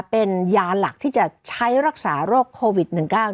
เป็นยาหลักที่จะใช้รักษาโรคโควิด๑๙